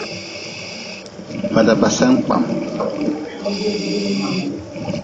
Baba ba sen kpam.